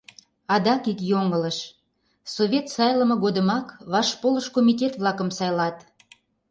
Адак ик йоҥылыш: Совет сайлыме годымак вашполыш комитет-влакым сайлат.